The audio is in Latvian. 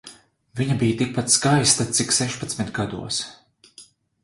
Viņa bija tikpat skaista cik sešpadsmit gados.